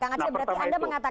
nah pertama itu